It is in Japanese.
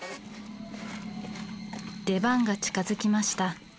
出番が近づきました。